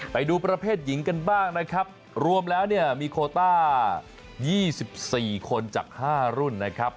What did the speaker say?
ไปดูประเภทหญิงกันบ้างนะครับรวมแล้วเนี่ยมีโคต้า๒๔คนจาก๕รุ่นนะครับ